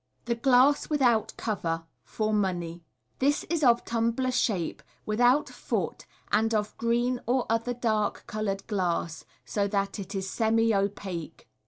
Thb Glass without Cover, for Money. — This is of tum bler shape, without foot, and of green or other dark coloured glass. MODERN MA GIC 201 so that ft h scirL opaque.